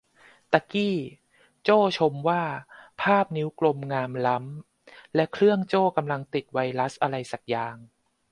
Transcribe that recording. ตะกี้โจ้ชมว่าภาพนิ้วกลมงามล้ำ และเครื่องโจ้กำลังติดไวรัสอะไรสักอย่าง